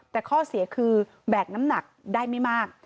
แต่ข้อเสียคือแบกน้ำหนักได้ไม่มาก